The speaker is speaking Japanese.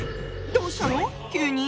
どうしたの⁉急に。